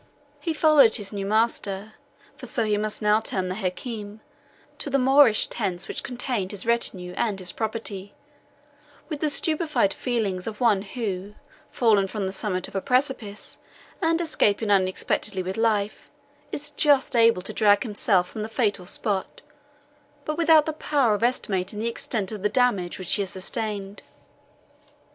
He followed his new master for so he must now term the Hakim to the Moorish tents which contained his retinue and his property, with the stupefied feelings of one who, fallen from the summit of a precipice, and escaping unexpectedly with life, is just able to drag himself from the fatal spot, but without the power of estimating the extent of the damage which he has sustained.